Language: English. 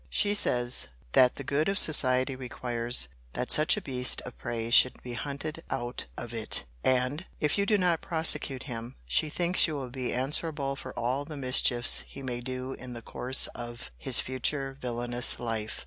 She says, that the good of society requires, that such a beast of prey should be hunted out of it: and, if you do not prosecute him, she thinks you will be answerable for all the mischiefs he may do in the course of his future villanous life.